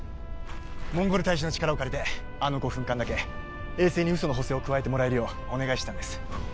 モンゴル大使の力を借りてあの５分間だけ衛星に嘘の補正を加えてもらえるようお願いしてたんです